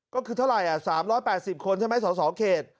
ก็คือเท่าไหร่๓๘๐คนใช่ไหมสสเขต